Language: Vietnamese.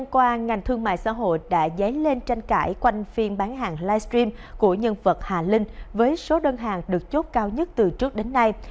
qua ngành thương mại xã hội đã dấy lên tranh cãi quanh phiên bán hàng livestream của nhân vật hà linh với số đơn hàng được chốt cao nhất từ trước đến nay